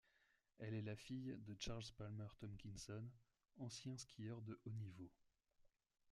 Elle est la fille de Charles Palmer-Tomkinson, ancien skieur de haut-niveau.